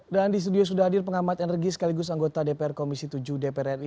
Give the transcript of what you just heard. dan di studio sudah hadir pengamat energi sekaligus anggota dpr komisi tujuh dpr ri